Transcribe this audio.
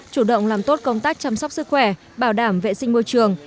chủ động làm tốt công tác chăm sóc sức khỏe bảo đảm vệ sinh môi trường